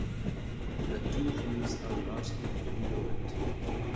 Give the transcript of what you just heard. The two views are largely equivalent.